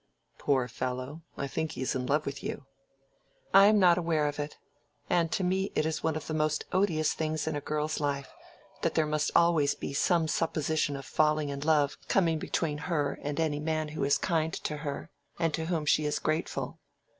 "Poor fellow! I think he is in love with you." "I am not aware of it. And to me it is one of the most odious things in a girl's life, that there must always be some supposition of falling in love coming between her and any man who is kind to her, and to whom she is grateful.